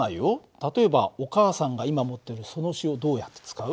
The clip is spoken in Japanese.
例えばお母さんが今持ってるその塩どうやって使う？